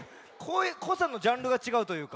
こさのジャンルがちがうというか。